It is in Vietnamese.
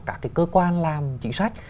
các cái cơ quan làm chính sách